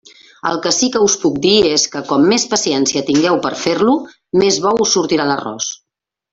El que sí que us puc dir és que com més paciència tingueu per a fer-lo, més bo us sortirà l'arròs.